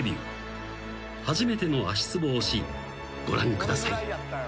［初めての足つぼ押しご覧ください］